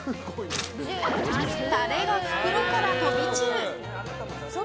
タレが袋から飛び散る。